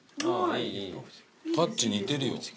タッチ似てるよ。